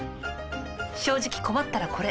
正直困ったらこれ。